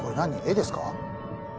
絵ですか？